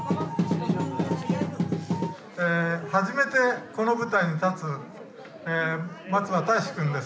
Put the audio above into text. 初めてこの舞台に立つ松場たいしくんです。